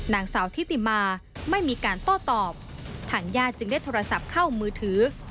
นางสาวทิติมาไม่มีการโต้ตอบทางญาติจึงได้โทรศัพท์เข้ามือถือ